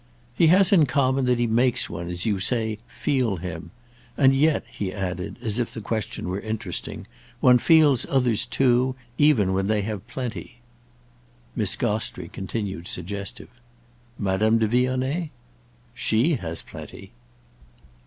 "He has in common that he makes one, as you say, 'feel' him. And yet," he added, as if the question were interesting, "one feels others too, even when they have plenty." Miss Gostrey continued suggestive. "Madame de Vionnet?" "She has plenty."